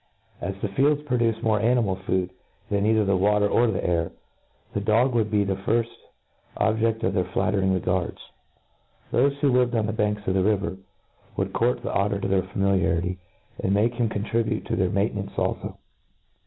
As the fields produce mofe animal food than either the water or the air, the dog would be the firft ob ject of their flattering regards.* 1 hofe who lived on the. banks of the river, would court the otter to their familiarity, and make him contribute to their maintenai^ce alfo.